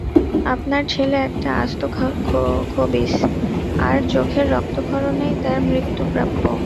আপনার ছেলে একটা আস্ত খবিশ আর চোখের রক্তক্ষরণেই তার মৃত্য প্রাপ্য।